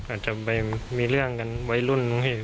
อาจจะมีเรื่องกันไว้รุ่นตรงนี้